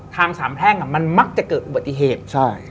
ทางสามแพร่งมันมักจะเกิดอุบัติเหตุใช่